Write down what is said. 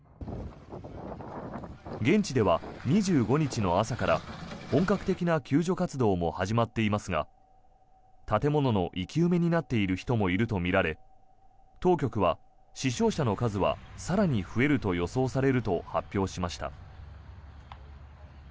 現地では２５日の朝から本格的な救助活動も始まっていますが建物の生き埋めになっている人もいるとみられ当局は死傷者の数は更に増えると予想されると発表しました。